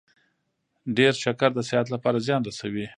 ډیر شکر د صحت لپاره زیان رسوي.